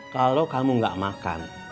kalau kamu gak makan